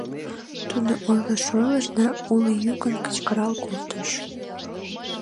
Тудо ойлыш-ойлыш да уло йӱкын кычкырал колтыш.